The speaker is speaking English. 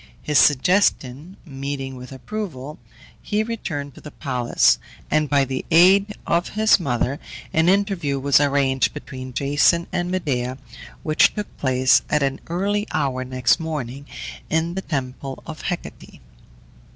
His suggestion meeting with approval, he returned to the palace, and by the aid of his mother an interview was arranged between Jason and Medea, which took place, at an early hour next morning, in the temple of Hecate.